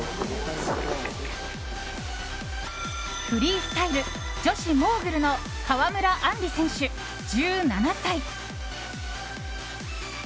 フリースタイル、女子モーグルの川村あんり選手、１７歳。